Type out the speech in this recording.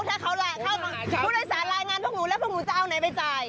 ถ้าเขาผู้โดยสารรายงานพวกหนูแล้วพวกหนูจะเอาไหนไปจ่าย